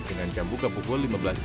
dengan jambu ke pukul lima belas tiga puluh